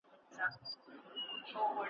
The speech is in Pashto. چي زه ماشوم وم له لا تر اوسه پوري `